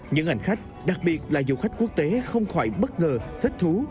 những ảnh khách đặc biệt là du khách quốc tế không khỏi bất ngờ thích thú